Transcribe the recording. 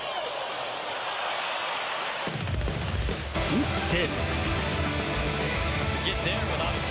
打って。